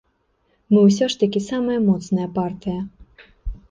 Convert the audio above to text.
Мы ўсё ж такі самая моцная партыя.